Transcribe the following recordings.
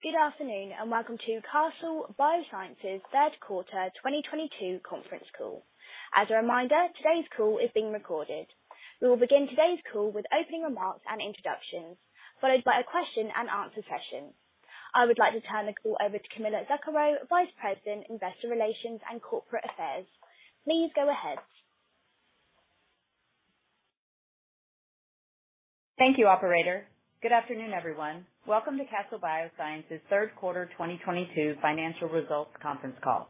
Good afternoon, and welcome to Castle Biosciences third quarter 2022 conference call. As a reminder, today's call is being recorded. We will begin today's call with opening remarks and introductions, followed by a question-and-answer session. I would like to turn the call over to Camilla Zuckero, Vice President, Investor Relations and Corporate Affairs. Please go ahead. Thank you, operator. Good afternoon, everyone. Welcome to Castle Biosciences third quarter 2022 financial results conference call.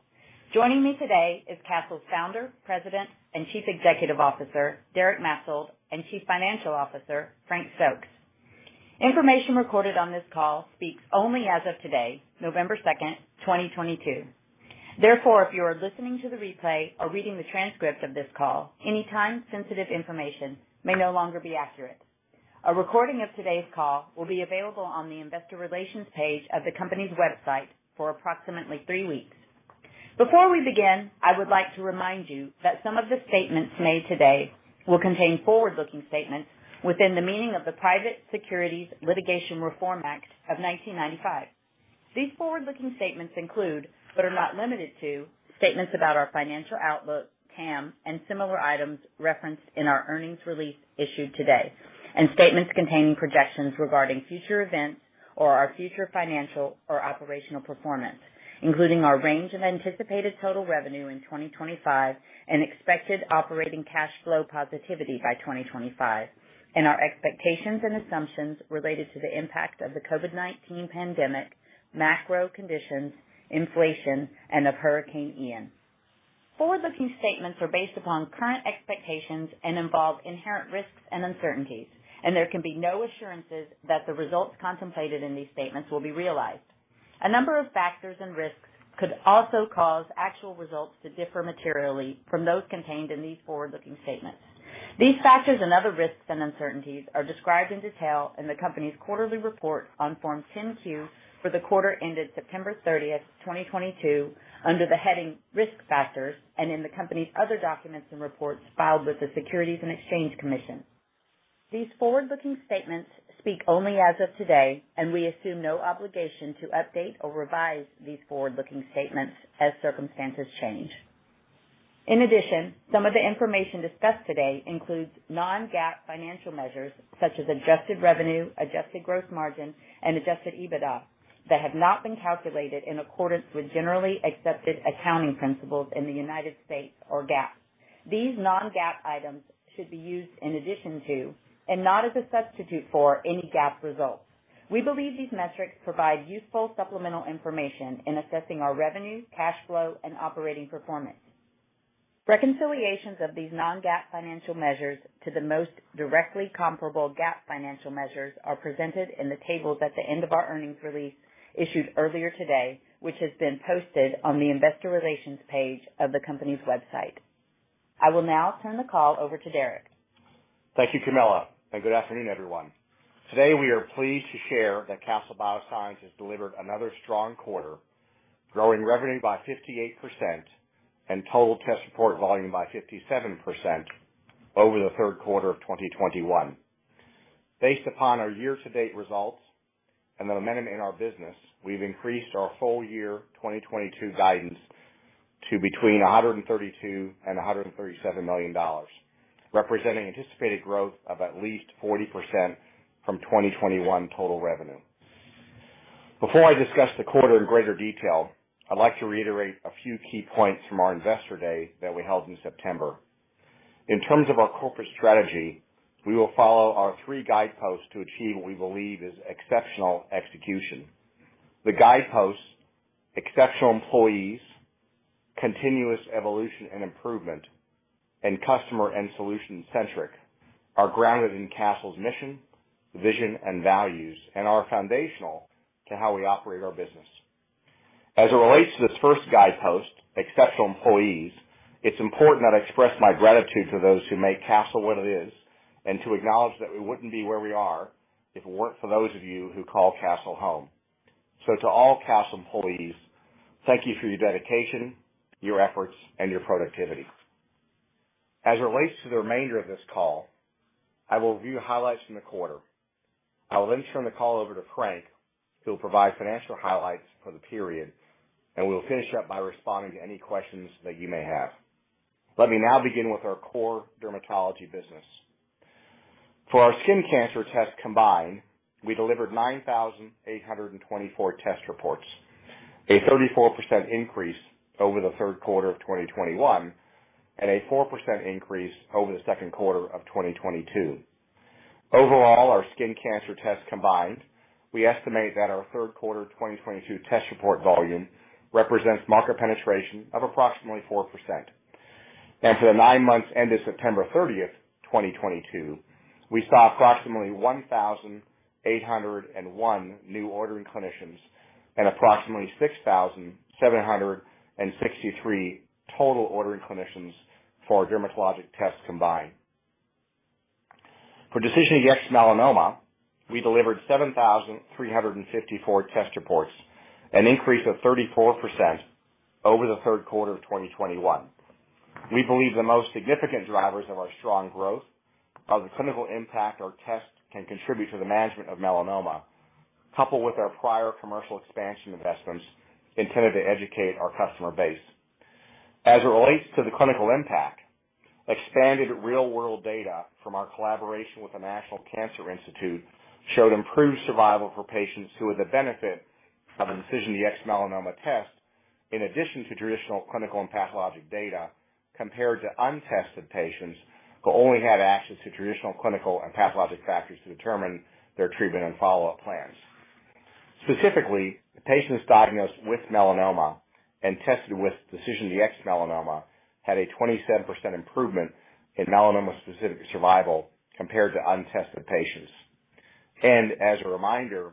Joining me today is Castle's Founder, President, and Chief Executive Officer, Derek Maetzold, and Chief Financial Officer, Frank Stokes. Information recorded on this call speaks only as of today, November 2, 2022. Therefore, if you are listening to the replay or reading the transcript of this call, any time-sensitive information may no longer be accurate. A recording of today's call will be available on the investor relations page of the company's website for approximately three weeks. Before we begin, I would like to remind you that some of the statements made today will contain forward-looking statements within the meaning of the Private Securities Litigation Reform Act of 1995. These forward-looking statements include, but are not limited to, statements about our financial outlook, TAM, and similar items referenced in our earnings release issued today, and statements containing projections regarding future events or our future financial or operational performance, including our range of anticipated total revenue in 2025 and expected operating cash flow positivity by 2025, and our expectations and assumptions related to the impact of the COVID-19 pandemic, macro conditions, inflation, and of Hurricane Ian. Forward-looking statements are based upon current expectations and involve inherent risks and uncertainties, and there can be no assurances that the results contemplated in these statements will be realized. A number of factors and risks could also cause actual results to differ materially from those contained in these forward-looking statements. These factors and other risks and uncertainties are described in detail in the company's quarterly report on Form 10-Q for the quarter ended September 30, 2022, under the heading Risk Factors, and in the company's other documents and reports filed with the Securities and Exchange Commission. These forward-looking statements speak only as of today, and we assume no obligation to update or revise these forward-looking statements as circumstances change. In addition, some of the information discussed today includes non-GAAP financial measures such as adjusted revenue, adjusted gross margin, and Adjusted EBITDA that have not been calculated in accordance with generally accepted accounting principles in the United States or GAAP. These non-GAAP items should be used in addition to and not as a substitute for any GAAP results. We believe these metrics provide useful supplemental information in assessing our revenue, cash flow, and operating performance. Reconciliations of these non-GAAP financial measures to the most directly comparable GAAP financial measures are presented in the tables at the end of our earnings release issued earlier today, which has been posted on the investor relations page of the company's website. I will now turn the call over to Derek. Thank you, Camilla, and good afternoon, everyone. Today, we are pleased to share that Castle Biosciences delivered another strong quarter, growing revenue by 58% and total test report volume by 57% over the third quarter of 2021. Based upon our year-to-date results and the momentum in our business, we've increased our full year 2022 guidance to between $132 million and $137 million, representing anticipated growth of at least 40% from 2021 total revenue. Before I discuss the quarter in greater detail, I'd like to reiterate a few key points from our Investor Day that we held in September. In terms of our corporate strategy, we will follow our three guideposts to achieve what we believe is exceptional execution. The guideposts, exceptional employees, continuous evolution and improvement, and customer and solution centric, are grounded in Castle's mission, vision, and values, and are foundational to how we operate our business. As it relates to this first guidepost, exceptional employees, it's important that I express my gratitude to those who make Castle what it is and to acknowledge that we wouldn't be where we are if it weren't for those of you who call Castle home. To all Castle employees, thank you for your dedication, your efforts, and your productivity. As it relates to the remainder of this call, I will review highlights from the quarter. I will then turn the call over to Frank, who will provide financial highlights for the period, and we will finish up by responding to any questions that you may have. Let me now begin with our core dermatology business. For our skin cancer test combined, we delivered 9,824 test reports, a 34% increase over the third quarter of 2021 and a 4% increase over the second quarter of 2022. Overall, our skin cancer tests combined, we estimate that our third quarter 2022 test report volume represents market penetration of approximately 4%. For the nine months ended September 30, 2022, we saw approximately 1,801 new ordering clinicians and approximately 6,763 total ordering clinicians for our dermatologic tests combined. For DecisionDx-Melanoma, we delivered 7,354 test reports, an increase of 34% over the third quarter of 2021. We believe the most significant drivers of our strong growth are the clinical impact our tests can contribute to the management of melanoma, coupled with our prior commercial expansion investments intended to educate our customer base. As it relates to the clinical impact, expanded real-world data from our collaboration with the National Cancer Institute showed improved survival for patients who had the benefit of a DecisionDx-Melanoma test in addition to traditional clinical and pathologic data, compared to untested patients who only had access to traditional clinical and pathologic factors to determine their treatment and follow-up plans. Specifically, patients diagnosed with melanoma and tested with DecisionDx-Melanoma had a 27% improvement in melanoma-specific survival compared to untested patients. As a reminder,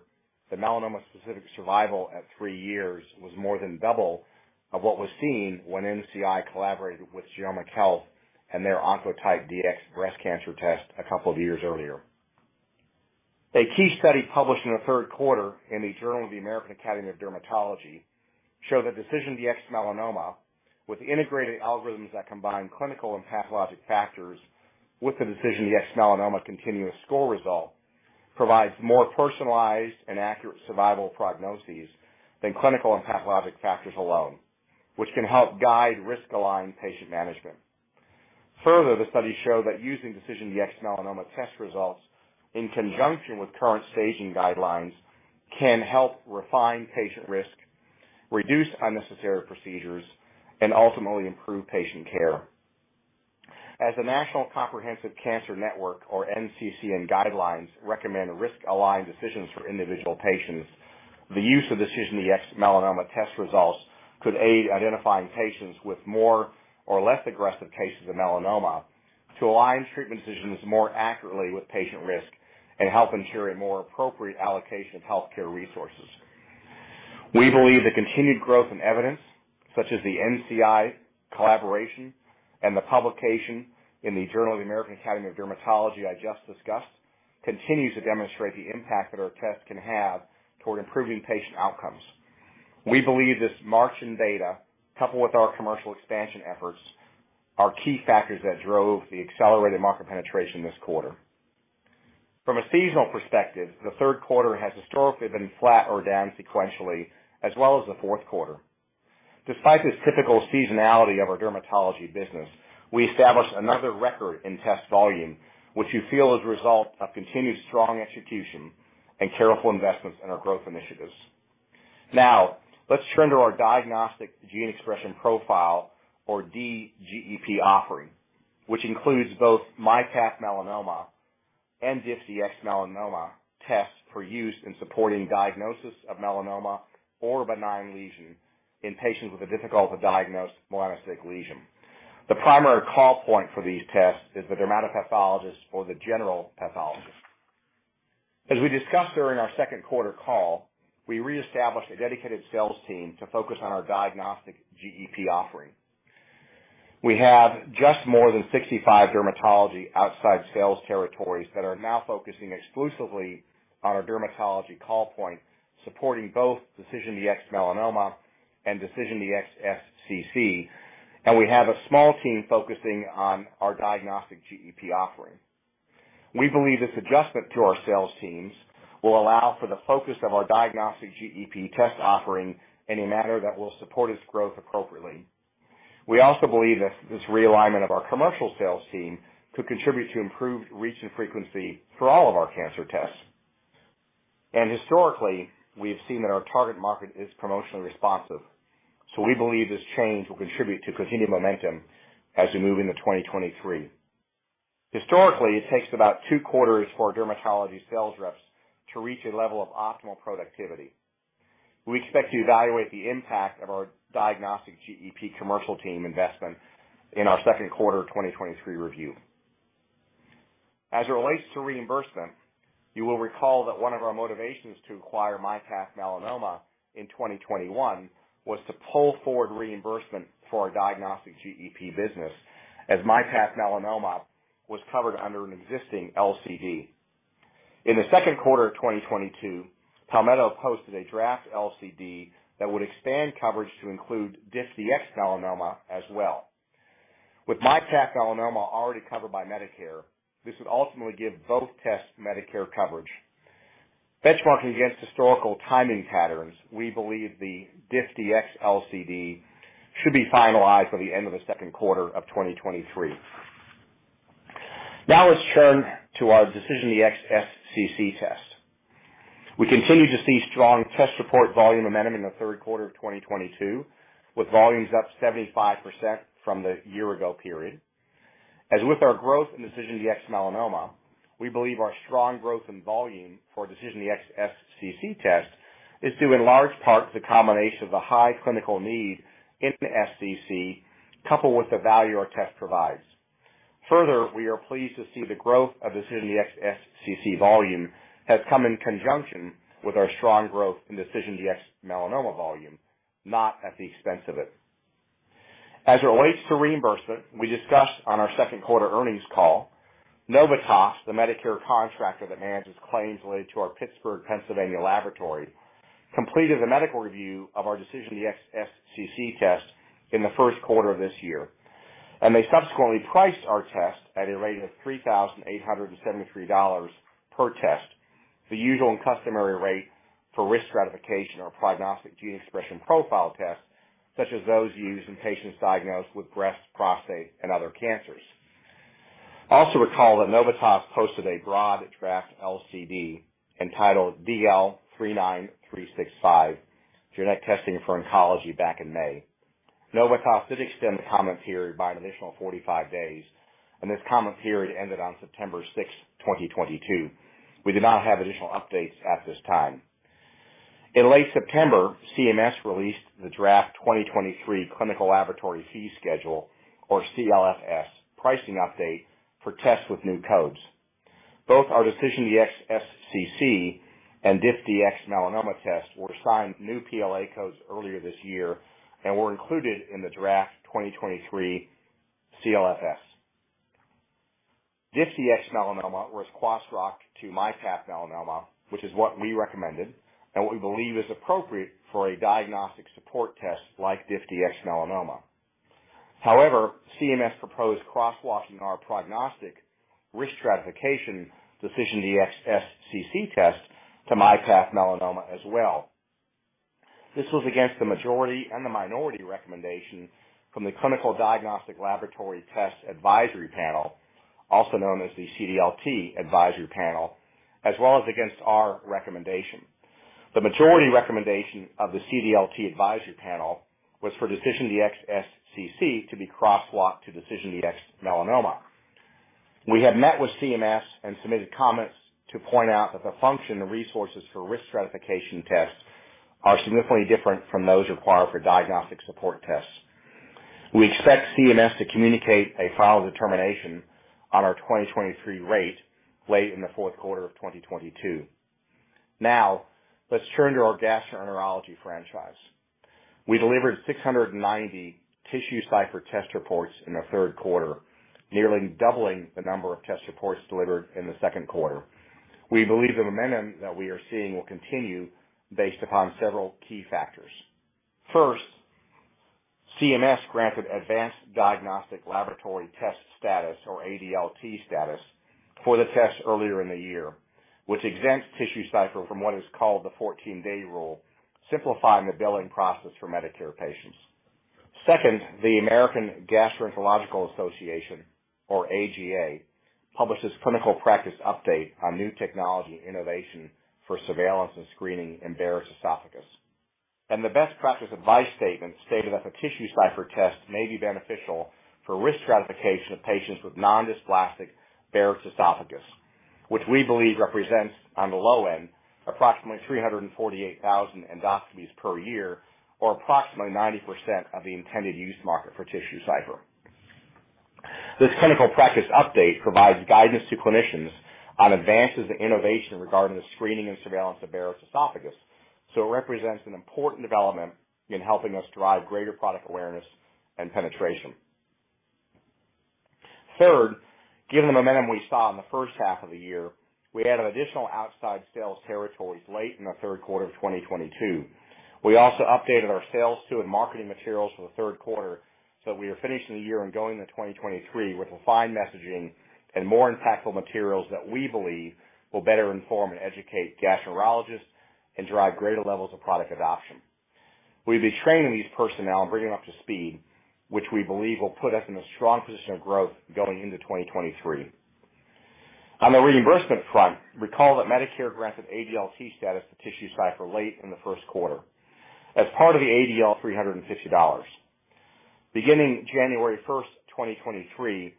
the melanoma-specific survival at three years was more than double of what was seen when NCI collaborated with Genomic Health and their Oncotype DX breast cancer test a couple of years earlier. A key study published in the third quarter in the Journal of the American Academy of Dermatology showed that DecisionDx-Melanoma, with integrated algorithms that combine clinical and pathologic factors with the DecisionDx-Melanoma continuous score result, provides more personalized and accurate survival prognoses than clinical and pathologic factors alone, which can help guide risk-aligned patient management. Further, the study showed that using DecisionDx-Melanoma test results in conjunction with current staging guidelines can help refine patient risk, reduce unnecessary procedures, and ultimately improve patient care. As the National Comprehensive Cancer Network, or NCCN guidelines recommend risk-aligned decisions for individual patients, the use of DecisionDx-Melanoma test results could aid identifying patients with more or less aggressive cases of melanoma to align treatment decisions more accurately with patient risk and help ensure a more appropriate allocation of healthcare resources. We believe the continued growth in evidence, such as the NCI collaboration and the publication in the Journal of the American Academy of Dermatology I just discussed, continues to demonstrate the impact that our tests can have toward improving patient outcomes. We believe this march in data, coupled with our commercial expansion efforts, are key factors that drove the accelerated market penetration this quarter. From a seasonal perspective, the third quarter has historically been flat or down sequentially as well as the fourth quarter. Despite this typical seasonality of our dermatology business, we established another record in test volume, which we feel is a result of continued strong execution and careful investments in our growth initiatives. Now, let's turn to our Diagnostic Gene Expression Profile, or DGEP offering, which includes both MyPath Melanoma and DiffDx-Melanoma tests for use in supporting diagnosis of melanoma or benign lesion in patients with a difficult-to-diagnose melanocytic lesion. The primary call point for these tests is the Dermatopathologist or the general pathologist. As we discussed during our second quarter call, we reestablished a dedicated sales team to focus on our diagnostic GEP offering. We have just more than 65 dermatology outside sales territories that are now focusing exclusively on our dermatology call point, supporting both DecisionDx-Melanoma and DecisionDx-SCC, and we have a small team focusing on our diagnostic GEP offering. We believe this adjustment to our sales teams will allow for the focus of our diagnostic GEP test offering in a manner that will support its growth appropriately. We also believe that this realignment of our commercial sales team could contribute to improved reach and frequency for all of our cancer tests. Historically, we have seen that our target market is promotionally responsive. We believe this change will contribute to continued momentum as we move into 2023. Historically, it takes about two quarters for dermatology sales reps to reach a level of optimal productivity. We expect to evaluate the impact of our diagnostic GEP commercial team investment in our second quarter of 2023 review. As it relates to reimbursement, you will recall that one of our motivations to acquire MyPath Melanoma in 2021 was to pull forward reimbursement for our diagnostic GEP business as MyPath Melanoma was covered under an existing LCD. In the second quarter of 2022, Palmetto posted a draft LCD that would expand coverage to include DiffDx-Melanoma as well. With MyPath Melanoma already covered by Medicare, this would ultimately give both tests Medicare coverage. Benchmarking against historical timing patterns, we believe the DiffDx-Melanoma LCD should be finalized by the end of the second quarter of 2023. Now let's turn to our DecisionDx-SCC test. We continue to see strong test report volume momentum in the third quarter of 2022, with volumes up 75% from the year-ago period. As with our growth in DecisionDx-Melanoma, we believe our strong growth in volume for DecisionDx-SCC test is due in large part to the combination of the high clinical need in SCC, coupled with the value our test provides. Further, we are pleased to see the growth of DecisionDx-SCC volume has come in conjunction with our strong growth in DecisionDx-Melanoma volume, not at the expense of it. As it relates to reimbursement, we discussed on our second quarter earnings call. Novitas, the Medicare contractor that manages claims related to our Pittsburgh, Pennsylvania laboratory, completed the medical review of our DecisionDx-SCC test in the first quarter of this year, and they subsequently priced our test at a rate of $3,873 per test, the usual and customary rate for risk stratification or prognostic gene expression profile tests such as those used in patients diagnosed with breast, prostate, and other cancers. Recall that Novitas posted a broad draft LCD entitled DL39365, genetic testing for oncology back in May. Novitas did extend the comment period by an additional 45 days, and this comment period ended on September 6, 2022. We do not have additional updates at this time. In late September, CMS released the Draft 2023 Clinical Laboratory Fee Schedule, or CLFS, pricing update for tests with new codes. Both our DecisionDx-SCC and DiffDx-Melanoma test were assigned new PLA codes earlier this year and were included in the draft 2023 CLFS. DiffDx-Melanoma was crosswalk to MyPath Melanoma, which is what we recommended and what we believe is appropriate for a diagnostic support test like DiffDx-Melanoma. However, CMS proposed crosswalking our prognostic risk stratification DecisionDx-SCC test to MyPath Melanoma as well. This was against the majority and the minority recommendation from the Clinical Diagnostic Laboratory Test Advisory Panel, also known as the CDLT Advisory Panel, as well as against our recommendation. The majority recommendation of the CDLT Advisory Panel was for DecisionDx-SCC to be crosswalk to DecisionDx-Melanoma. We have met with CMS and submitted comments to point out that the function and resources for risk stratification tests are significantly different from those required for diagnostic support tests. We expect CMS to communicate a final determination on our 2023 rate late in the fourth quarter of 2022. Now, let's turn to our gastroenterology franchise. We delivered 690 TissueCypher test reports in the third quarter, nearly doubling the number of test reports delivered in the second quarter. We believe the momentum that we are seeing will continue based upon several key factors. First, CMS granted Advanced Diagnostic Laboratory Test status, or ADLT status, for the test earlier in the year, which exempts TissueCypher from what is called the 14-day rule, simplifying the billing process for Medicare patients. Second, the American Gastroenterological Association, or AGA, publishes clinical practice update on new technology innovation for surveillance and screening in Barrett's esophagus. The best practice advice statement stated that the TissueCypher test may be beneficial for risk stratification of patients with non-dysplastic Barrett's esophagus, which we believe represents, on the low end, approximately 348,000 endoscopies per year, or approximately 90% of the intended use market for TissueCypher. This clinical practice update provides guidance to clinicians on advances in innovation regarding the screening and surveillance of Barrett's esophagus, so it represents an important development in helping us drive greater product awareness and penetration. Third, given the momentum we saw in the first half of the year, we added additional outside sales territories late in the third quarter of 2022. We also updated our sales and marketing materials for the third quarter, so we are finishing the year and going to 2023 with refined messaging and more impactful materials that we believe will better inform and educate gastroenterologists and drive greater levels of product adoption. We've been training these personnel and bringing them up to speed, which we believe will put us in a strong position of growth going into 2023. On the reimbursement front, recall that Medicare granted ADLT status to TissueCypher late in the first quarter. As part of the ADLT, $350. Beginning January 1, 2023,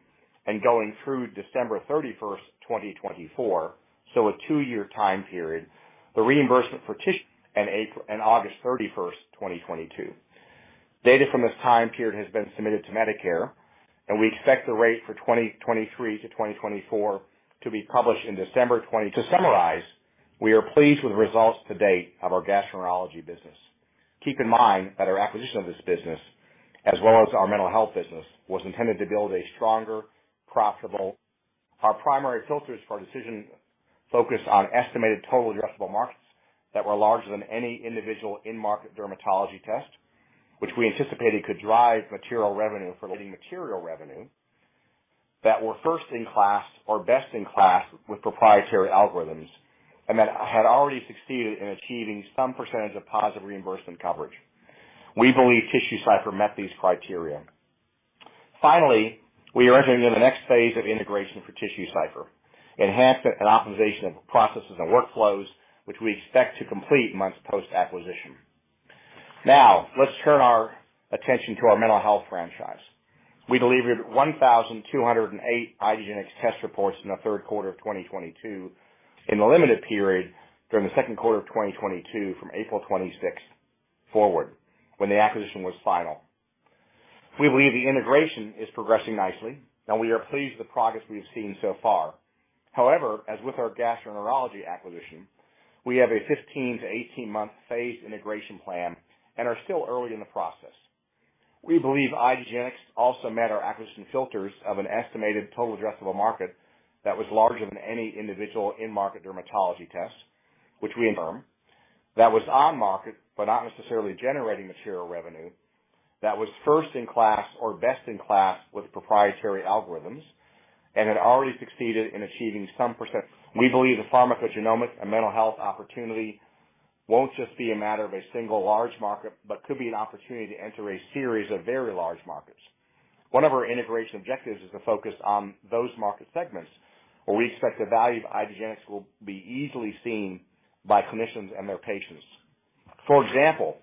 and going through December 31, 2024, so a two-year time period, the reimbursement for TissueCypher. Data from this time period has been submitted to Medicare, and we expect the rate for 2023-2024 to be published in December 2023. To summarize, we are pleased with the results to date of our gastroenterology business. Keep in mind that our acquisition of this business, as well as our mental health business, was intended to build a stronger, profitable. Our primary filters for decision focused on estimated total addressable markets that were larger than any individual in-market dermatology test, which we anticipated could drive material revenue that were first in class or best in class with proprietary algorithms, and that had already succeeded in achieving some percentage of positive reimbursement coverage. We believe TissueCypher met these criteria. Finally, we are entering into the next phase of integration for TissueCypher, enhancement and optimization of processes and workflows, which we expect to complete months post-acquisition. Now, let's turn our attention to our mental health franchise. We delivered 1,208 IDgenetix test reports in the third quarter of 2022, in the limited period during the second quarter of 2022 from April 26th forward, when the acquisition was final. We believe the integration is progressing nicely, and we are pleased with the progress we have seen so far. However, as with our gastroenterology acquisition, we have a 15-18-month phased integration plan and are still early in the process. We believe IDgenetix also met our acquisition filters of an estimated total addressable market that was larger than any individual in-market dermatology test, which we confirm. That was on-market, but not necessarily generating material revenue, that was first-in-class or best-in-class with proprietary algorithms, and had already succeeded in achieving some percent. We believe the pharmacogenomics and mental health opportunity won't just be a matter of a single large market, but could be an opportunity to enter a series of very large markets. One of our integration objectives is to focus on those market segments where we expect the value of IDgenetix will be easily seen by clinicians and their patients. For example,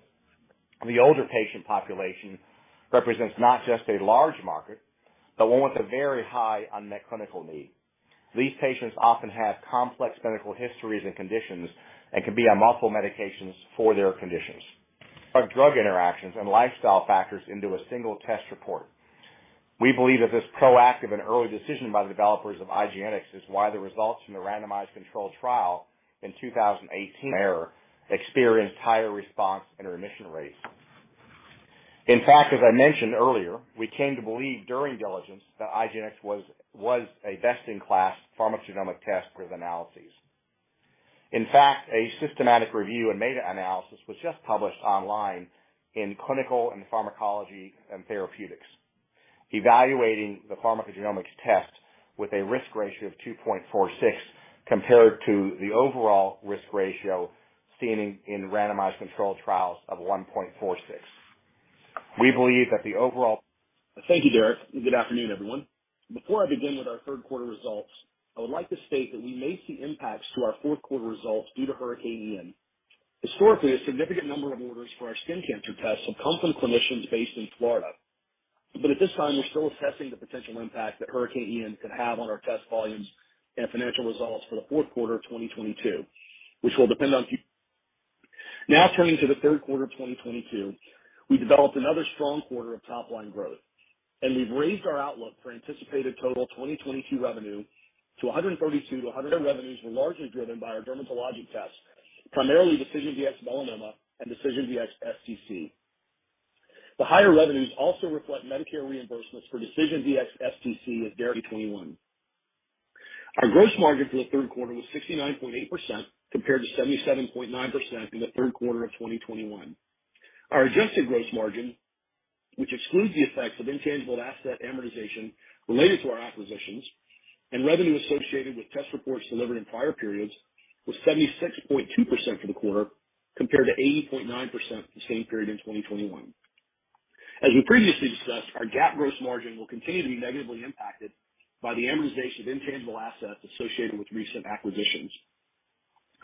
the older patient population represents not just a large market, but one with a very high unmet clinical need. These patients often have complex medical histories and conditions and can be on multiple medications for their conditions. Our drug interactions and lifestyle factors into a single test report. We believe that this proactive and early decision by the developers of IDgenetix is why the results from the randomized controlled trial in 2018 experienced higher response and remission rates. In fact, as I mentioned earlier, we came to believe during diligence that IDgenetix was a best-in-class pharmacogenomic test for the analyses. In fact, a systematic review and meta-analysis was just published online in Clinical Pharmacology & Therapeutics evaluating the pharmacogenomics test with a risk ratio of 2.46, compared to the overall risk ratio seen in randomized controlled trials of 1.46. We believe that the overall. Thank you, Derek, and good afternoon, everyone. Before I begin with our third quarter results, I would like to state that we may see impacts to our fourth quarter results due to Hurricane Ian. Historically, a significant number of orders for our skin cancer tests have come from clinicians based in Florida. At this time, we're still assessing the potential impact that Hurricane Ian could have on our test volumes and financial results for the fourth quarter of 2022, which will depend on. Now turning to the third quarter of 2022. We developed another strong quarter of top-line growth, and we've raised our outlook for anticipated total 2022 revenue to $132 to $100-. Our revenues were largely driven by our dermatologic tests, primarily DecisionDx-Melanoma and DecisionDx-SCC. The higher revenues also reflect Medicare reimbursements for DecisionDx-SCC during 2021. Our gross margin for the third quarter was 69.8% compared to 77.9% in the third quarter of 2021. Our adjusted gross margin, which excludes the effects of intangible asset amortization related to our acquisitions and revenue associated with test reports delivered in prior periods, was 76.2% for the quarter, compared to 80.9% for the same period in 2021. As we previously discussed, our GAAP gross margin will continue to be negatively impacted by the amortization of intangible assets associated with recent acquisitions.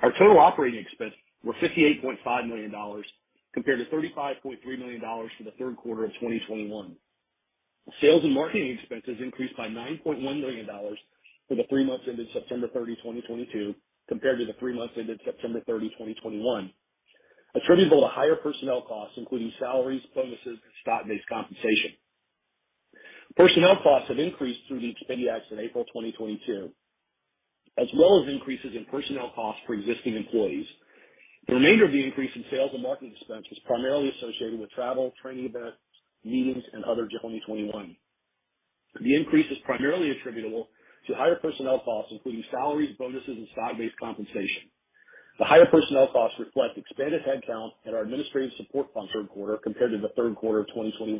Our total operating expenses were $58.5 million compared to $35.3 million for the third quarter of 2021. Sales and marketing expenses increased by $9.1 million for the three months ended September 30, 2022, compared to the three months ended September 30, 2021. Attributable to higher personnel costs, including salaries, bonuses, and stock-based compensation. Personnel costs have increased through the acquisition in April 2022, as well as increases in personnel costs for existing employees. The remainder of the increase in sales and marketing expense was primarily associated with travel, training events, meetings, and other in 2021. The increase is primarily attributable to higher personnel costs, including salaries, bonuses, and stock-based compensation. The higher personnel costs reflect expanded headcount and our administrative support function in the third quarter compared to the third quarter of 2021,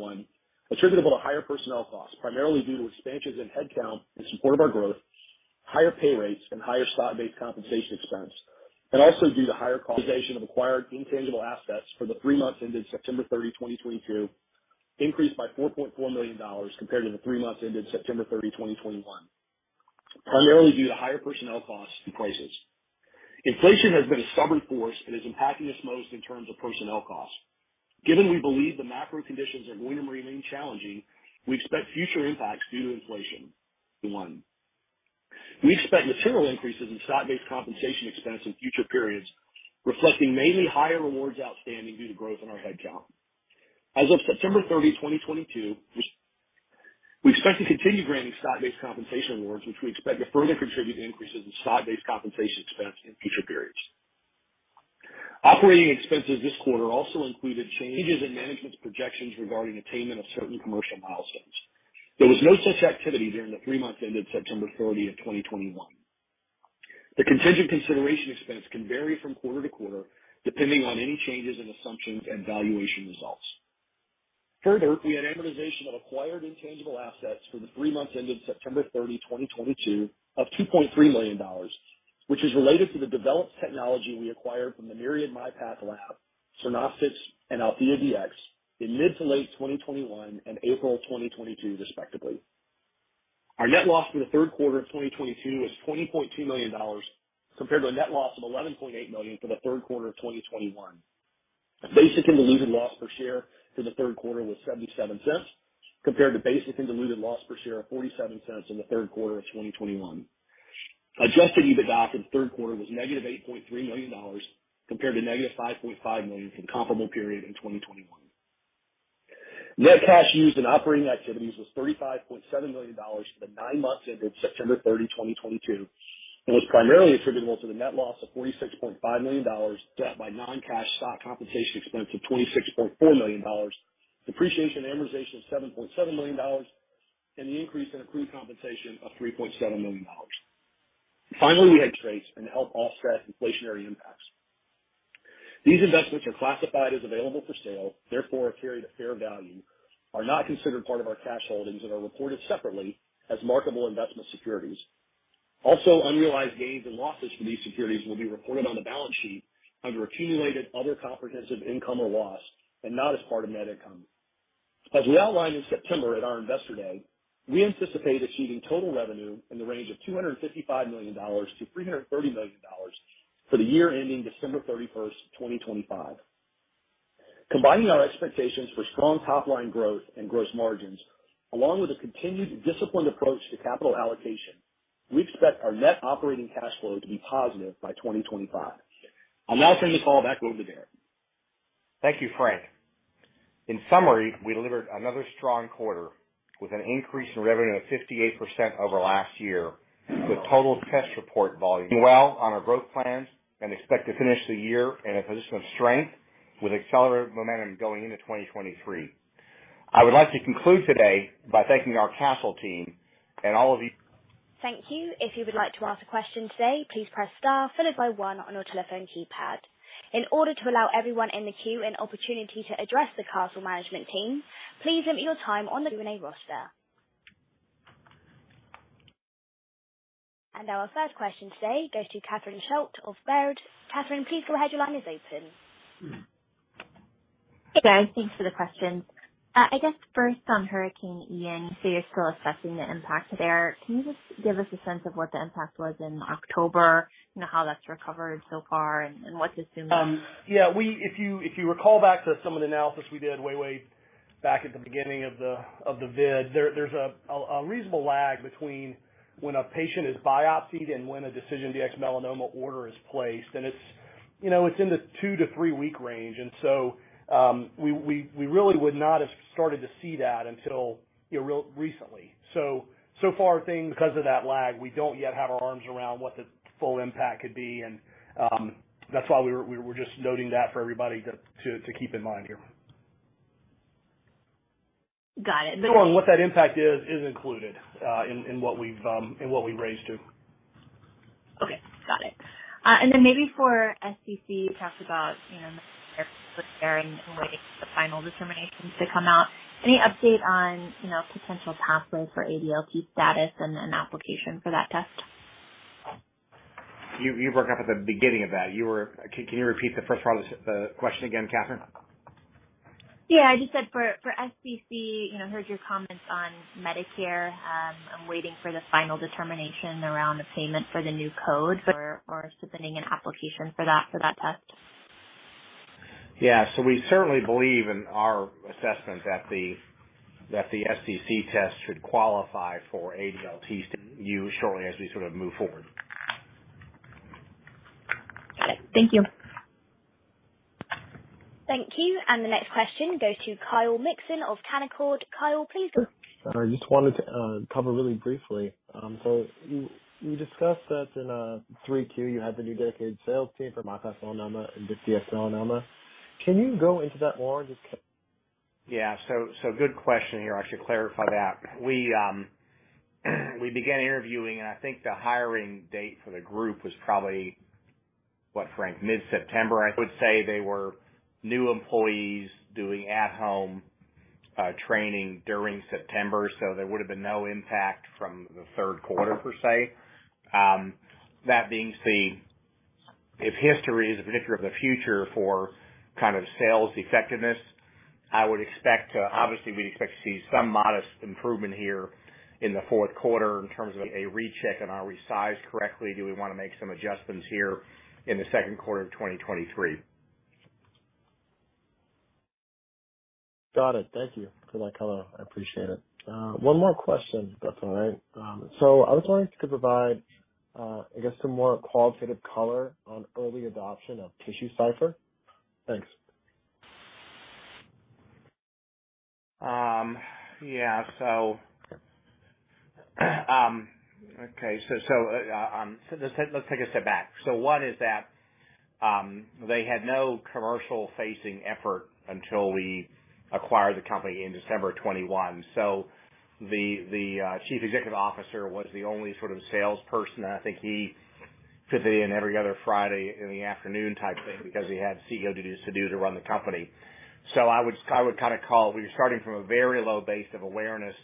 attributable to higher personnel costs, primarily due to expansions in headcount in support of our growth, higher pay rates, and higher stock-based compensation expense, and also due to higher amortization of acquired intangible assets for the three months ended September 30, 2022, increased by $4.4 million compared to the three months ended September 30, 2021, primarily due to higher personnel costs and prices. Inflation has been a stubborn force and is impacting us most in terms of personnel costs. Given we believe the macro conditions are going to remain challenging, we expect future impacts due to inflation. One, we expect material increases in stock-based compensation expense in future periods, reflecting mainly higher awards outstanding due to growth in our headcount. As of September 30, 2022, which we expect to continue granting stock-based compensation awards, which we expect to further contribute to increases in stock-based compensation expense in future periods. Operating expenses this quarter also included changes in management's projections regarding attainment of certain commercial milestones. There was no such activity during the three months ended September 30, 2021. The contingent consideration expense can vary from quarter to quarter, depending on any changes in assumptions and valuation results. Further, we had amortization of acquired intangible assets for the three months ended September 30, 2022 of $2.3 million, which is related to the developed technology we acquired from the Myriad MyPath, DiffDx-Melanoma and AltheaDx in mid- to late 2021 and April 2022 respectively. Our net loss for the third quarter of 2022 was $20.2 million compared to a net loss of $11.8 million for the third quarter of 2021. Basic and diluted loss per share for the third quarter was $0.77 compared to basic and diluted loss per share of $0.47 in the third quarter of 2021. Adjusted EBITDA for the third quarter was -$8.3 million compared to -$5.5 million for the comparable period in 2021. Net cash used in operating activities was $35.7 million for the nine months ended September 30, 2022, and was primarily attributable to the net loss of $46.5 million, offset by non-cash stock compensation expense of $26.4 million, depreciation and amortization of $7.7 million, and the increase in accrued compensation of $3.7 million. Finally, we had Treasuries and to help offset inflationary impacts. These investments are classified as available for sale, therefore are carried at fair value, are not considered part of our cash holdings, and are reported separately as Marketable Investment Securities. Also, unrealized gains and losses from these securities will be reported on the balance sheet under accumulated other comprehensive income or loss and not as part of net income. As we outlined in September at our Investor Day, we anticipate achieving total revenue in the range of $255 million-$330 million for the year ending December 31, 2025. Combining our expectations for strong top line growth and gross margins, along with a continued disciplined approach to capital allocation, we expect our net operating cash flow to be positive by 2025. I'll now turn this call back over to Derek. Thank you, Frank. In summary, we delivered another strong quarter with an increase in revenue of 58% over last year, with total test report volume well on our growth plans and expect to finish the year in a position of strength with accelerated momentum going into 2023. I would like to conclude today by thanking our Castle team and all of you. Thank you. If you would like to ask a question today, please press star followed by one on your telephone keypad. In order to allow everyone in the queue an opportunity to address the Castle management team, please limit your time on the Q&A roster. Our first question today goes to Catherine Schulte of Baird. Catherine, please go ahead. Your line is open. Hey, guys, thanks for the questions. I guess first on Hurricane Ian, you say you're still assessing the impact there. Can you just give us a sense of what the impact was in October and how that's recovered so far and what to assume? Yeah, if you recall back to some of the analysis we did way back at the beginning of the vid, there's a reasonable lag between when a patient is biopsied and when a DecisionDx-Melanoma order is placed, and it's, you know, in the two to three week range. We really would not have started to see that until, you know, really recently. So far things, because of that lag, we don't yet have our arms around what the full impact could be. That's why we were just noting that for everybody to keep in mind here. Got it. What that impact is included in what we've raised too. Okay. Got it. Maybe for SCC, you talked about, you know, Medicare still clearing and waiting for the final determinations to come out. Any update on, you know, potential pathway for ADLT status and an application for that test? You broke up at the beginning of that. Can you repeat the first part of the question again, Catherine? Yeah, I just said for SCC, you know, heard your comments on Medicare. I'm waiting for the final determination around the payment for the new code for submitting an application for that test. Yeah. We certainly believe in our assessment that the SCC test should qualify for ADLT use shortly as we sort of move forward. Okay. Thank you. Thank you. The next question goes to Kyle Mikson of Canaccord. Kyle, please go- I just wanted to cover really briefly. You discussed that in Q3, you had the new dedicated sales team for MyPath Melanoma and DecisionDx-Melanoma. Can you go into that more? Yeah. Good question here. I should clarify that. We began interviewing and I think the hiring date for the group was probably, what, Frank? Mid-September, I would say they were new employees doing at-home training during September. There would have been no impact from the third quarter per se. That being said, if history is a predictor of the future for kind of sales effectiveness, I would expect to, obviously, we'd expect to see some modest improvement here in the fourth quarter in terms of a recheck. Are we sized correctly? Do we wanna make some adjustments here in the second quarter of 2023? Got it. Thank you for that color. I appreciate it. One more question, if that's all right. I was wondering if you could provide, I guess, some more qualitative color on early adoption of TissueCypher. Thanks. Yeah. Okay. Let's take a step back. One is that they had no commercial facing effort until we acquired the company in December of 2021. The chief executive officer was the only sort of salesperson. I think he fit in every other Friday in the afternoon type thing because he had CEO duties to do to run the company. I would kinda call we were starting from a very low base of awareness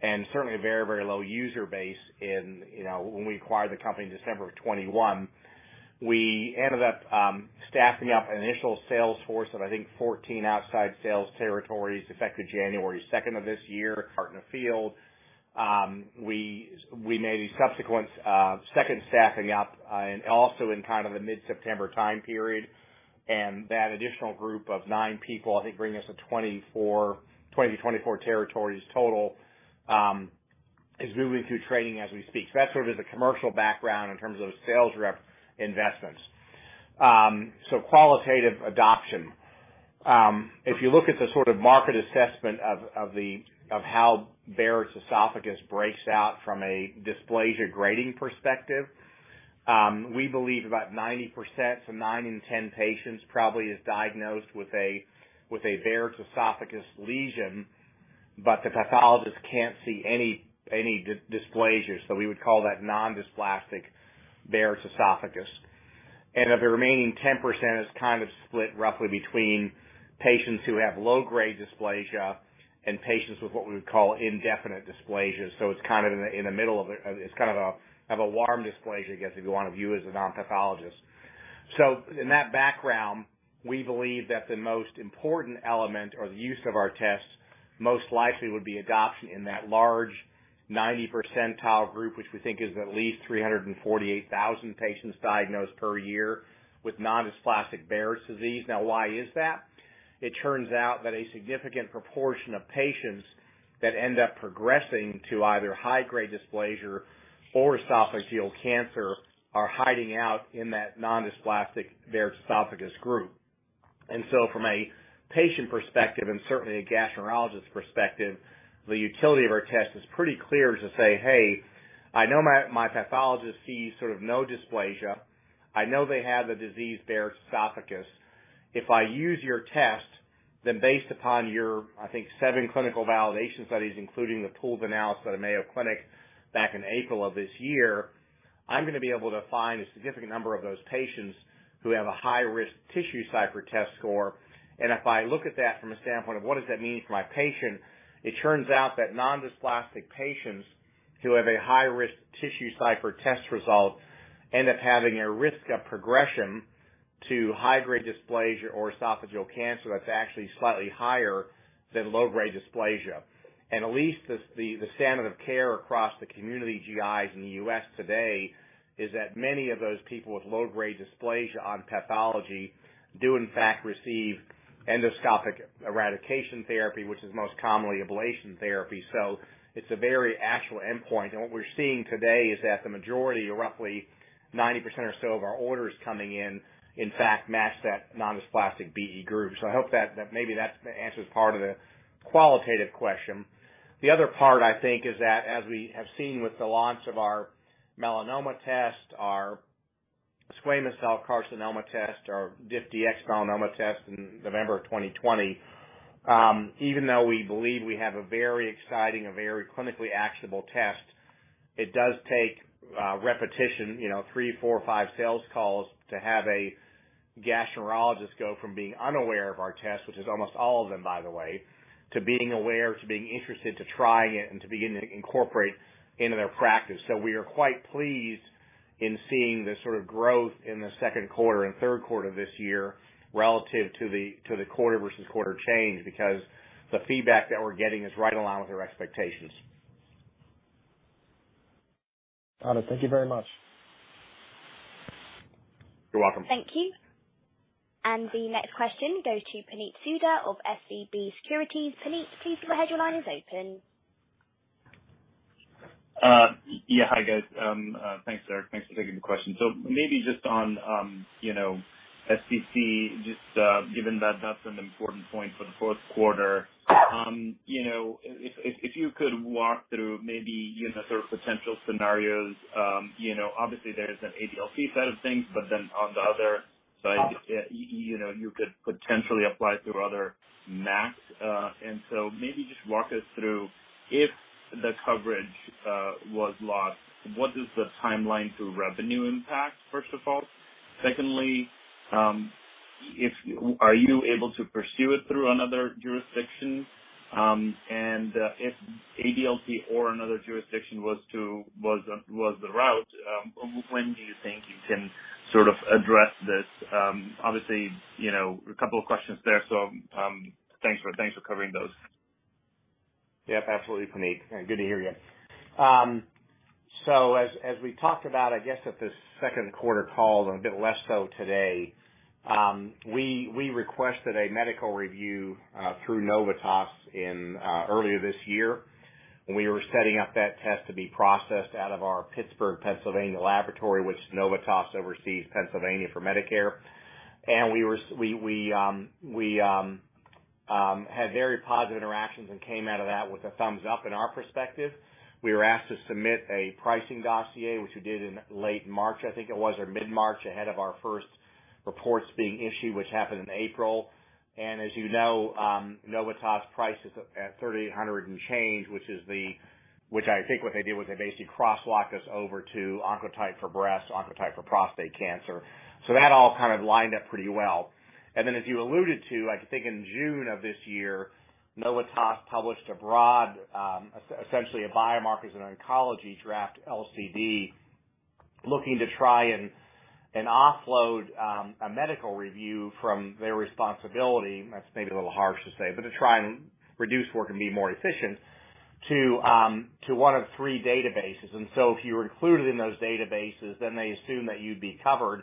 and certainly a very low user base, you know, when we acquired the company in December of 2021. We ended up staffing up an initial sales force of, I think, 14 outside sales territories effective January 2 of this year, starting to field. We made a subsequent second staffing up and also in kind of the mid-September time period. That additional group of 9 people, I think, bring us to 20 to 24 territories total is moving through training as we speak. That's sort of the commercial background in terms of sales rep investments. Qualitative adoption. If you look at the sort of market assessment of how Barrett's esophagus breaks out from a dysplasia grading perspective, we believe about 90%, so nine in 10 patients probably is diagnosed with a Barrett's esophagus lesion, but the pathologist can't see any dysplasia. We would call that non-dysplastic Barrett's esophagus. Of the remaining 10% is kind of split roughly between patients who have low-grade dysplasia and patients with what we would call indefinite dysplasia. It's kind of in the middle of it. It's kind of a form of dysplasia, I guess, if you want to view it as a non-pathologist. In that background, we believe that the most important element or the use of our tests most likely would be adoption in that large 90 percentile group, which we think is at least 348,000 patients diagnosed per year with non-dysplastic Barrett's esophagus. Now, why is that? It turns out that a significant proportion of patients that end up progressing to either high-grade dysplasia or esophageal cancer are hiding out in that non-dysplastic Barrett's esophagus group. From a patient perspective and certainly a gastroenterologist perspective, the utility of our test is pretty clear to say, "Hey, I know my pathologist sees sort of no dysplasia. I know they have the disease Barrett's esophagus. If I use your test, then based upon your, I think, seven clinical validation studies, including the pooled analysis at Mayo Clinic back in April of this year, I'm gonna be able to find a significant number of those patients who have a high-risk TissueCypher test score. If I look at that from a standpoint of what does that mean for my patient? It turns out that non-dysplastic patients who have a high-risk TissueCypher test result end up having a risk of progression to high-grade dysplasia or esophageal cancer that's actually slightly higher than low-grade dysplasia. At least the standard of care across the community GIs in the U.S. today is that many of those people with low-grade dysplasia on pathology do in fact receive endoscopic eradication therapy, which is most commonly ablation therapy. It's a very actual endpoint. What we're seeing today is that the majority or roughly 90% or so of our orders coming in fact, match that non-dysplastic BE group. I hope that maybe that answers part of the qualitative question. The other part, I think, is that as we have seen with the launch of our melanoma test, our squamous cell carcinoma test, our DiffDx-Melanoma test in November 2020, even though we believe we have a very exciting, clinically actionable test, it does take repetition, you know, three, four, five sales calls to have a gastroenterologist go from being unaware of our test, which is almost all of them, by the way, to being aware, to being interested, to trying it and to begin to incorporate into their practice. We are quite pleased in seeing the sort of growth in the second quarter and third quarter of this year relative to the quarter versus quarter change because the feedback that we're getting is right in line with our expectations. Got it. Thank you very much. You're welcome. Thank you. The next question goes to Puneet Souda of SVB Securities. Puneet, please go ahead. Your line is open. Yeah. Hi, guys. Thanks, Derek. Thanks for taking the question. Maybe just on, you know, SCC, just given that that's an important point for the fourth quarter, you know, if you could walk through maybe, you know, sort of potential scenarios. You know, obviously there is an ADLT set of things, but then on the other side, you know, you could potentially apply through other MACs. Maybe just walk us through if the coverage was lost, what is the timeline to revenue impact, first of all? Secondly, are you able to pursue it through another jurisdiction? If ADLT or another jurisdiction was the route, when do you think you can sort of address this? Obviously, you know, a couple of questions there, so thanks for covering those. Yep, absolutely, Puneet, and good to hear you. As we talked about, I guess at the second quarter call and a bit less so today, we requested a medical review through Novitas in earlier this year, when we were setting up that test to be processed out of our Pittsburgh, Pennsylvania laboratory, which Novitas oversees Pennsylvania for Medicare. We had very positive interactions and came out of that with a thumbs up in our perspective. We were asked to submit a pricing dossier, which we did in late March, I think it was, or mid-March, ahead of our first reports being issued, which happened in April. As you know, Novitas prices at $3,800 and change, which is the Which I think what they did was they basically cross-locked us over to Oncotype for breast, Oncotype for prostate cancer. That all kind of lined up pretty well. As you alluded to, I think in June of this year, Novitas published a broad, essentially a biomarkers in oncology draft LCD, looking to try and offload a medical review from their responsibility. That's maybe a little harsh to say, but to try and reduce work and be more efficient to one of three databases. If you were included in those databases, then they assumed that you'd be covered.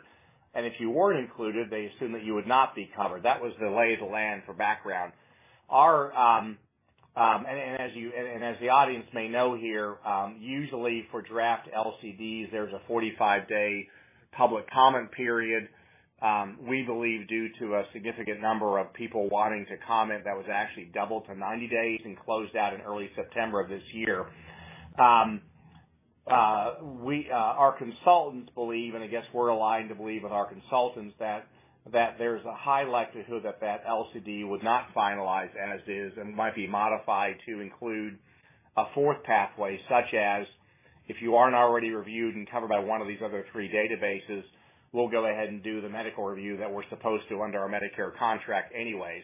If you weren't included, they assumed that you would not be covered. That was the lay of the land. As the audience may know here, usually for draft LCDs, there's a 45-day public comment period. We believe due to a significant number of people wanting to comment, that was actually doubled to 90 days and closed out in early September of this year. Our consultants believe, and I guess we're aligned to believe with our consultants, that there's a high likelihood that LCD would not finalize as is and might be modified to include a fourth pathway, such as if you aren't already reviewed and covered by one of these other three databases, we'll go ahead and do the medical review that we're supposed to under our Medicare contract anyways.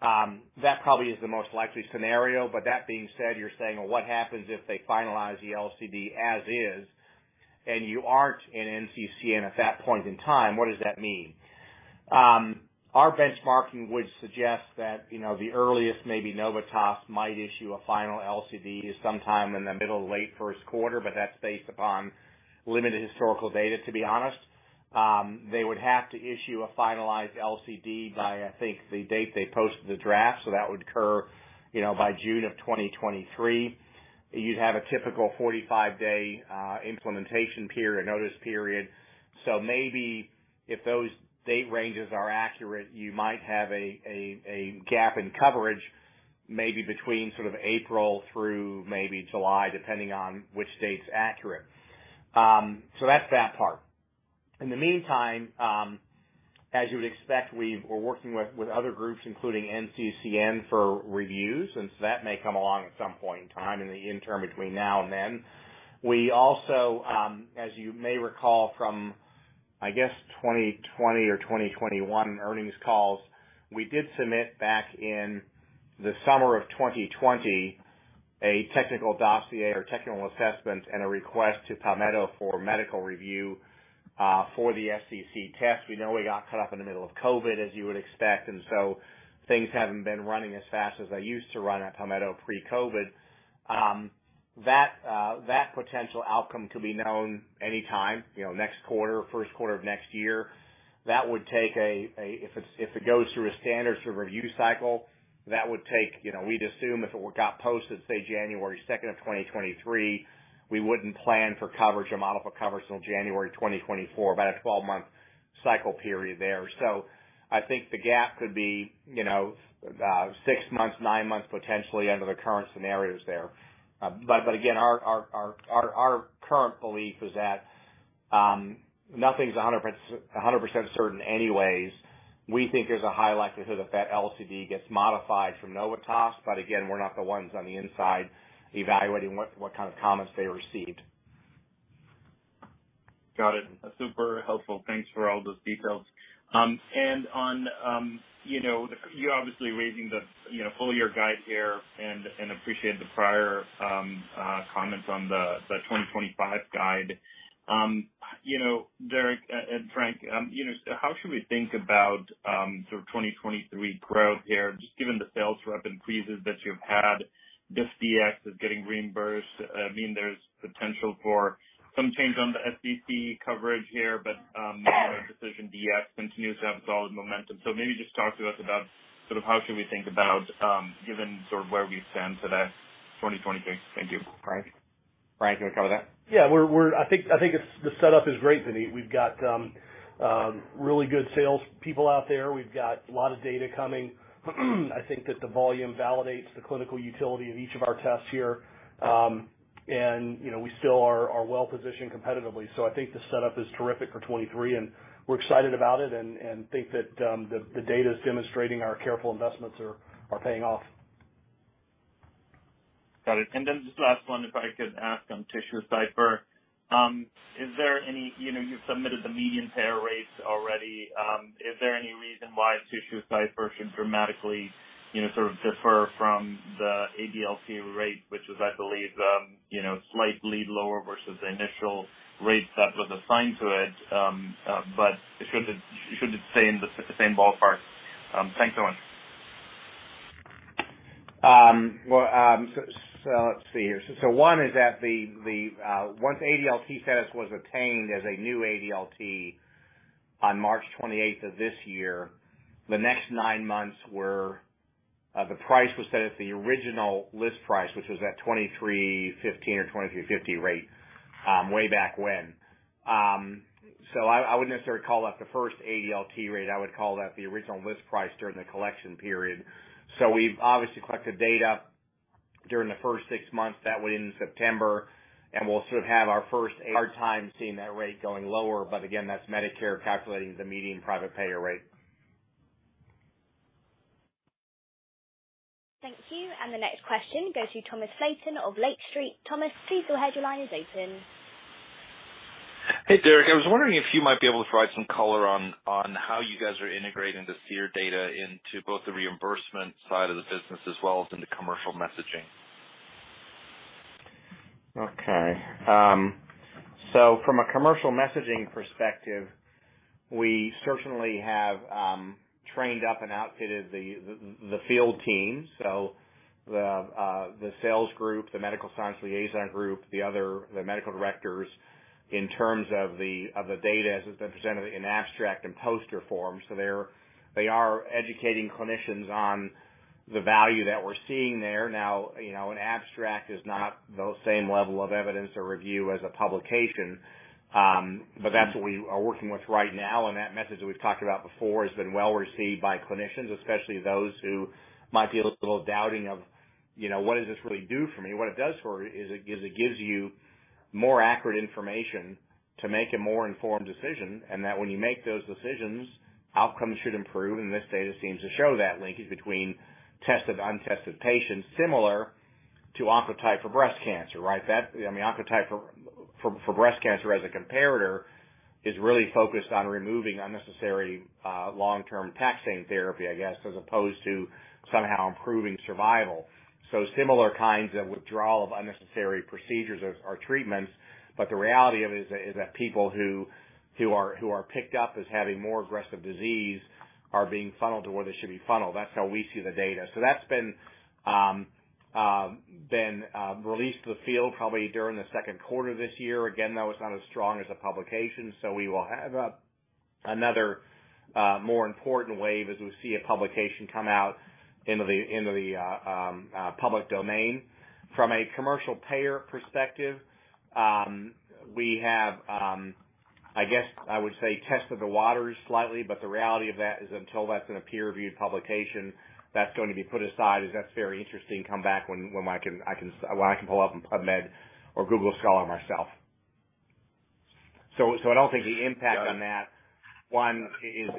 That probably is the most likely scenario, but that being said, you're saying, "Well, what happens if they finalize the LCD as is, and you aren't in NCCN at that point in time? What does that mean?" Our benchmarking would suggest that, you know, the earliest maybe Novitas might issue a final LCD is sometime in the mid-to-late first quarter, but that's based upon limited historical data, to be honest. They would have to issue a finalized LCD by, I think, the date they posted the draft, so that would occur, you know, by June 2023. You'd have a typical 45-day implementation period, notice period. Maybe if those date ranges are accurate, you might have a gap in coverage, maybe between sort of April through maybe July, depending on which date's accurate. That's that part. In the meantime, as you would expect, we're working with other groups, including NCCN, for reviews, and so that may come along at some point in time in the interim between now and then. We also, as you may recall from, I guess, 2020 or 2021 earnings calls, we did submit back in the summer of 2020 a technical dossier or technical assessment and a request to Palmetto for medical review for the SCC test. We know we got caught up in the middle of COVID, as you would expect, and so things haven't been running as fast as they used to run at Palmetto pre-COVID. That potential outcome could be known any time, you know, next quarter, first quarter of next year. That would take a If it goes through a standard sort of review cycle, that would take, you know, we'd assume if it got posted, say January 2, 2023, we wouldn't plan for coverage or model for coverage till January 2024. About a 12-month cycle period there. I think the gap could be, you know, six months, nine months potentially under the current scenarios there. But again, our current belief is that, nothing's a hundred percent certain anyways. We think there's a high likelihood that that LCD gets modified from Novitas, but again, we're not the ones on the inside evaluating what kind of comments they received. Got it. Super helpful. Thanks for all those details. On, you know, you're obviously raising the, you know, full year guide here and appreciate the prior comments on the 2025 guide. You know, Derek and Frank, you know, how should we think about sort of 2023 growth here, just given the sales rep increases that you've had, this DX is getting reimbursed, I mean, there's potential for some change on the SCC coverage here, but DecisionDx continues to have solid momentum. Maybe just talk to us about sort of how we should think about, given sort of where we stand today, 2023. Thank you. Frank, you wanna cover that? Yeah. I think it's the setup is great, Puneet. We've got really good sales people out there. We've got a lot of data coming. I think that the volume validates the clinical utility of each of our tests here. You know, we still are well positioned competitively. I think the setup is terrific for 2023, and we're excited about it and think that the data is demonstrating our careful investments are paying off. Got it. Just last one, if I could ask on TissueCypher. You know, you've submitted the median payer rates already. Is there any reason why a TissueCypher should dramatically, you know, sort of differ from the ADLT rate, which was, I believe, you know, slightly lower versus the initial rate that was assigned to it. It should stay in the same ballpark. Thanks a ton. Well, let's see here. One is that once the ADLT status was obtained as a new ADLT on March 28th of this year, the next nine months, the price was set at the original list price, which was at $2,315 or $2,350 rate way back when. I wouldn't necessarily call that the first ADLT rate. I would call that the original list price during the collection period. We've obviously collected data during the first six months that would end in September, and we'll sort of have our first hard time seeing that rate going lower, but again, that's Medicare calculating the median private payer rate. Thank you. The next question goes to Thomas Flaten of Lake Street. Thomas, please go ahead. Your line is open. Hey, Derek. I was wondering if you might be able to provide some color on how you guys are integrating the SEER data into both the reimbursement side of the business as well as into commercial messaging? Okay. From a commercial messaging perspective, we certainly have trained up and outfitted the field team. The sales group, the medical science liaison group, the medical directors in terms of the data as it's been presented in abstract and poster form. They are educating clinicians on the value that we're seeing there. Now, you know, an abstract is not the same level of evidence or review as a publication, but that's what we are working with right now, and that method that we've talked about before has been well received by clinicians, especially those who might be a little doubting of, you know, what does this really do for me? What it does for you is it gives you more accurate information to make a more informed decision, and that when you make those decisions, outcomes should improve. This data seems to show that linkage between tested, untested patients, similar to Oncotype for breast cancer, right? That, I mean, Oncotype for breast cancer as a comparator is really focused on removing unnecessary long-term taxing therapy, I guess, as opposed to somehow improving survival. Similar kinds of withdrawal of unnecessary procedures or treatments. The reality of it is that people who are picked up as having more aggressive disease are being funneled to where they should be funneled. That's how we see the data. That's been released to the field probably during the second quarter of this year. Again, though, it's not as strong as a publication, so we will have another more important wave as we see a publication come out into the public domain. From a commercial payer perspective, we have, I guess I would say, tested the waters slightly, but the reality of that is until that's in a peer-reviewed publication, that's going to be put aside as that's very interesting, come back when I can pull up a PubMed or Google Scholar myself. I don't think the impact on that one is.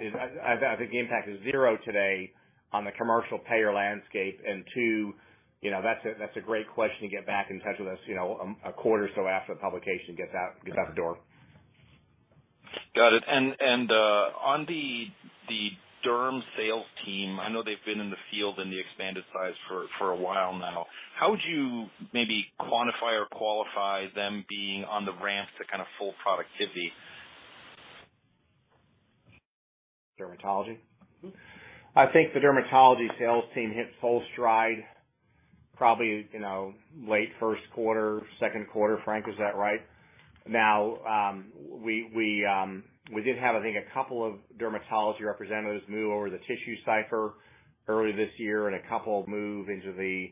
I think the impact is zero today on the commercial payer landscape, and too, you know, that's a great question to get back in touch with us, you know, a quarter or so after the publication gets out. Got it. Gets out the door. Got it. On the derm sales team, I know they've been in the field in the expanded size for a while now. How would you maybe quantify or qualify them being on the ramp to kind of full productivity? Dermatology? Mm-hmm. I think the dermatology sales team hits full stride probably, you know, late first quarter, second quarter. Frank, was that right? Now, we did have, I think, a couple of dermatology representatives move over to the TissueCypher early this year and a couple move into the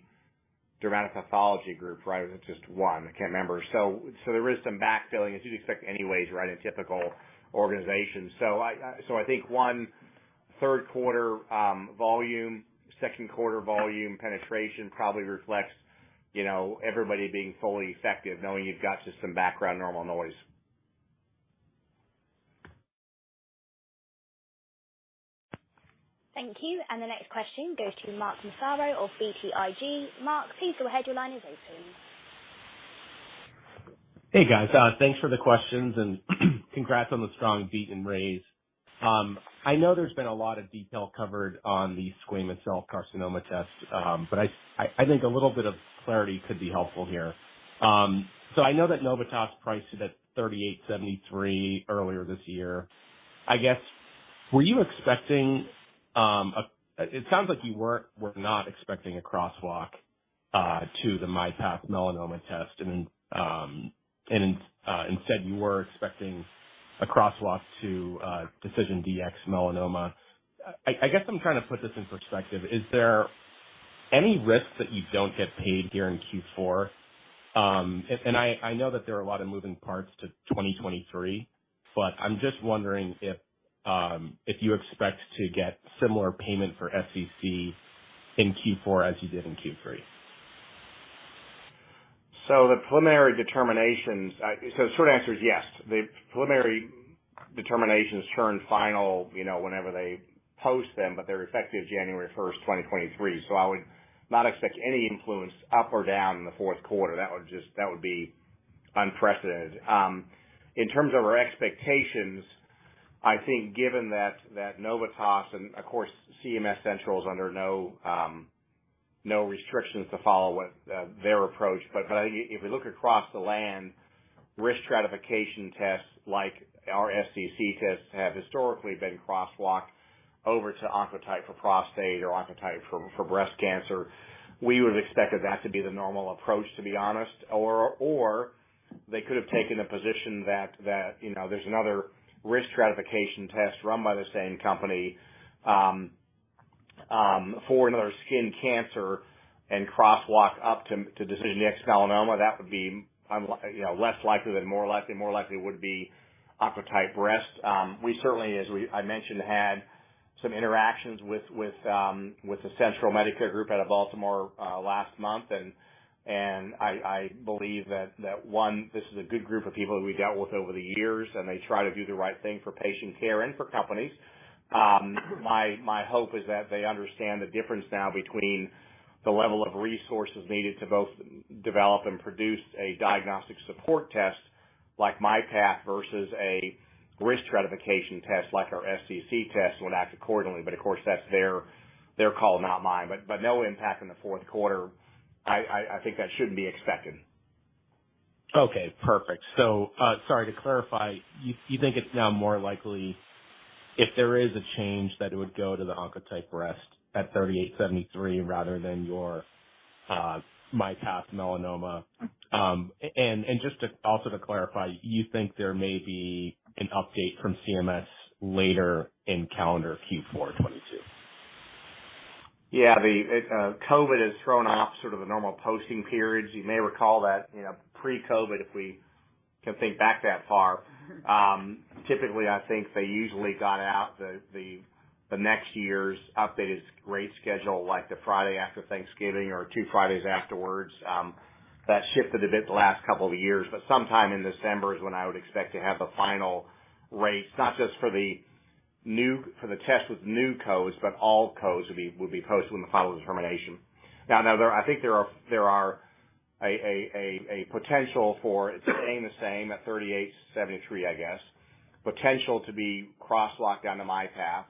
dermatopathology group, right? It's just one. I can't remember. There is some backfilling as you'd expect anyways, right, in typical organizations. I think third quarter volume, second quarter volume penetration probably reflects, you know, everybody being fully effective, knowing you've got just some background normal noise. Thank you. The next question goes to Mark Massaro of BTIG. Mark, please go ahead. Your line is open. Hey, guys. Thanks for the questions and congrats on the strong beat and raise. I know there's been a lot of detail covered on the squamous cell carcinoma test, but I think a little bit of clarity could be helpful here. So I know that Novitas priced it at $38.73 earlier this year. I guess were you expecting. It sounds like you weren't expecting a crosswalk to the MyPath Melanoma test, and then instead you were expecting a crosswalk to a DecisionDx-Melanoma. I guess I'm trying to put this in perspective. Is there any risk that you don't get paid here in Q4? I know that there are a lot of moving parts to 2023, but I'm just wondering if you expect to get similar payment for SCC in Q4 as you did in Q3? Short answer is yes. The preliminary determinations turn final, you know, whenever they post them, but they're effective January first, 2023. I would not expect any influence up or down the fourth quarter. That would just be unprecedented. In terms of our expectations, I think given that, Novitas and of course CMS central is under no restrictions to follow their approach. But I think if we look across the landscape, risk stratification tests like our SCC tests have historically been crosswalked over to Oncotype for prostate or Oncotype for breast cancer. We would have expected that to be the normal approach, to be honest, or they could have taken a position that, you know, there's another risk stratification test run by the same company for another skin cancer and crosswalk up to DecisionDx-Melanoma, that would be, you know, less likely than more likely. More likely would be Oncotype breast. We certainly, as I mentioned, had some interactions with the Centers for Medicare & Medicaid Services out of Baltimore last month. I believe that this is a good group of people we've dealt with over the years, and they try to do the right thing for patient care and for companies. My hope is that they understand the difference now between the level of resources needed to both develop and produce a diagnostic support test like MyPath versus a risk stratification test like our SCC test and will act accordingly. Of course, that's their call, not mine. No impact in the fourth quarter. I think that shouldn't be expected. Okay, perfect. Sorry to clarify, you think it's now more likely if there is a change that it would go to the Oncotype breast at $38.73 rather than your MyPath Melanoma? Just to clarify, you think there may be an update from CMS later in calendar Q4 2022? Yeah. The COVID has thrown off sort of the normal posting periods. You may recall that, you know, pre-COVID, if we can think back that far. Typically, I think they usually got out the next year's updated rate schedule, like the Friday after Thanksgiving or two Fridays afterwards. That shifted a bit the last couple of years, but sometime in December is when I would expect to have the final rates, not just for the test with new codes, but all codes would be posted when the final determination. I think there are a potential for it staying the same at $38.73, I guess. Potential to be crosswalked onto MyPath.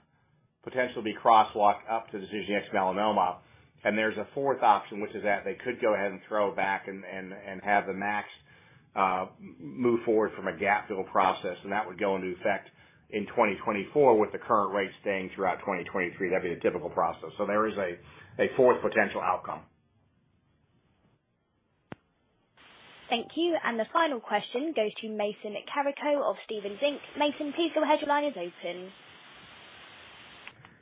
Potential to be crosswalked up to DecisionDx-Melanoma. There's a fourth option, which is that they could go ahead and throw it back and have the MACs move forward from a gap fill process, and that would go into effect in 2024, with the current rates staying throughout 2023. That'd be the typical process. There is a fourth potential outcome. Thank you. The final question goes to Mason Carrico of Stephens Inc. Mason, please go ahead. Your line is open.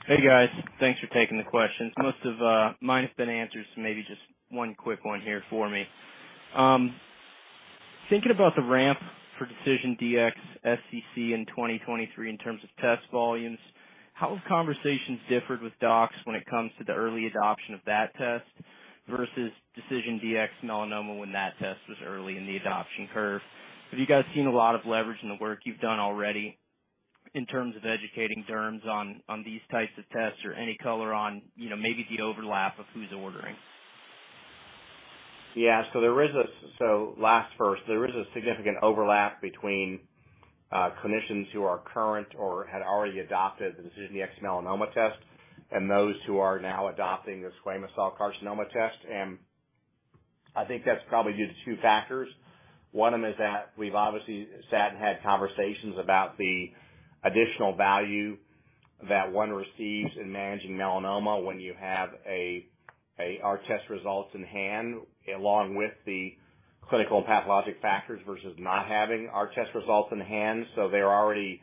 Hey, guys. Thanks for taking the questions. Most of mine have been answered, so maybe just one quick one here for me. Thinking about the ramp for DecisionDx-SCC in 2023, in terms of test volumes, how has conversations differed with docs when it comes to the early adoption of that test versus DecisionDx-Melanoma when that test was early in the adoption curve? Have you guys seen a lot of leverage in the work you've done already in terms of educating derms on these types of tests or any color on, you know, maybe the overlap of who's ordering? First, there is a significant overlap between clinicians who are currently or had already adopted the DecisionDx-Melanoma test and those who are now adopting the DecisionDx-SCC. I think that's probably due to two factors. One of them is that we've obviously sat and had conversations about the additional value that one receives in managing melanoma when you have a our test results in hand, along with the clinical pathologic factors, versus not having our test results in hand. They're already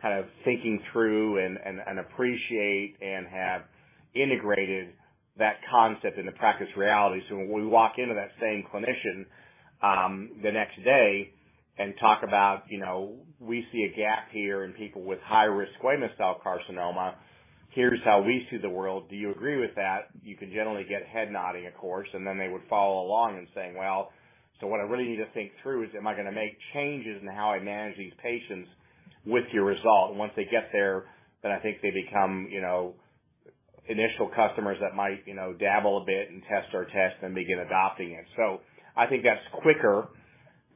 kind of thinking through and appreciate and have integrated that concept into practice reality. When we walk into that same clinician, the next day and talk about, you know, we see a gap here in people with high-risk squamous cell carcinoma, here's how we see the world, do you agree with that? You can generally get head nodding, of course, and then they would follow along in saying, "Well, what I really need to think through is am I gonna make changes in how I manage these patients with your result?" And once they get there, then I think they become, you know, initial customers that might, you know, dabble a bit and test our test and begin adopting it. I think that's quicker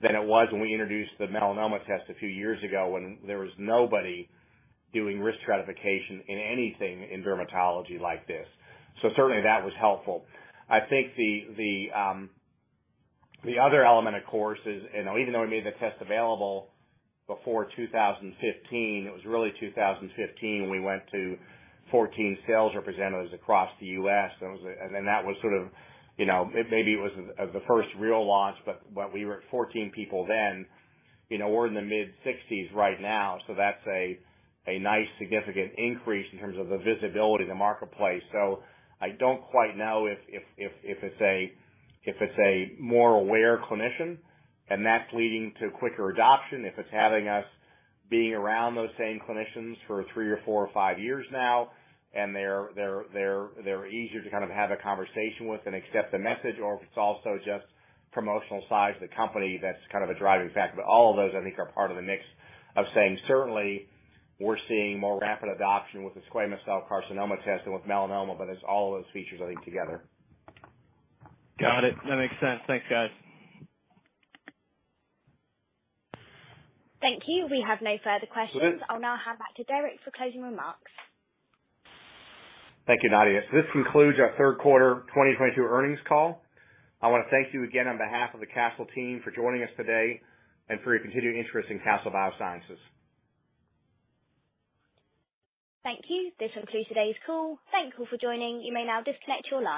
than it was when we introduced the melanoma test a few years ago when there was nobody doing risk stratification in anything in dermatology like this. Certainly that was helpful. I think the other element, of course, is and even though we made the test available before 2015, it was really 2015 when we went to 14 sales representatives across the U.S. That was sort of, you know, maybe it was the first real launch, but we were at 14 people then. You know, we're in the mid-60s right now, so that's a nice significant increase in terms of the visibility in the marketplace. I don't quite know if it's a more aware clinician, and that's leading to quicker adoption, if it's having us being around those same clinicians for three or four or five years now and they're easier to kind of have a conversation with and accept the message or if it's also just promotional size of the company that's kind of a driving factor. All of those, I think, are part of the mix of saying certainly we're seeing more rapid adoption with the squamous cell carcinoma test than with melanoma, but it's all of those features, I think, together. Got it. That makes sense. Thanks, guys. Thank you. We have no further questions. I'll now hand back to Derek for closing remarks. Thank you, Nadia. This concludes our third quarter 2022 earnings call. I want to thank you again on behalf of the Castle team for joining us today and for your continued interest in Castle Biosciences. Thank you. This concludes today's call. Thank you for joining. You may now disconnect your line.